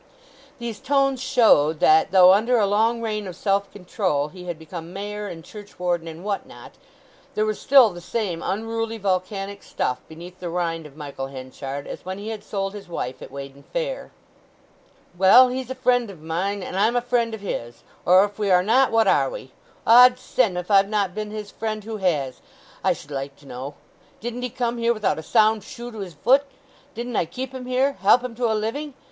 These tones showed that, though under a long reign of self control he had become Mayor and churchwarden and what not, there was still the same unruly volcanic stuff beneath the rind of Michael Henchard as when he had sold his wife at Weydon Fair. "Well, he's a friend of mine, and I'm a friend of his—or if we are not, what are we? 'Od send, if I've not been his friend, who has, I should like to know? Didn't he come here without a sound shoe to his voot? Didn't I keep him here—help him to a living?